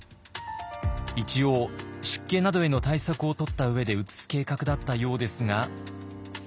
一応湿気などへの対策をとった上で移す計画だったようですが。